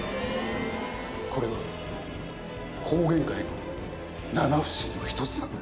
これは方言界の七不思議の１つなんだ。